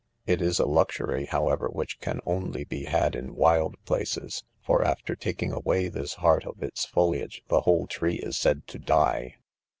It is a luxury, however, which can only be had in wild places; for after taking away this heart of its foliage, the whole tree is said to die.